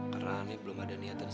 karena aneh belum ada niatan